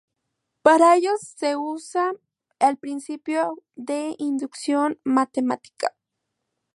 Para ello se usa el principio de inducción matemática.